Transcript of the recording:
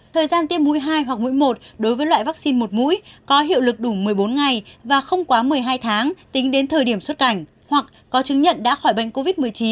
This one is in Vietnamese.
thời gian tiêm mũi hai hoặc mũi một đối với loại vaccine một mũi có hiệu lực đủ một mươi bốn ngày và không quá một mươi hai tháng tính đến thời điểm xuất cảnh hoặc có chứng nhận đã khỏi bệnh covid một mươi chín